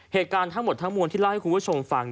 เหตุการณ์ทั้งหมดทั้งมวลที่เล่าให้คุณผู้ชมฟัง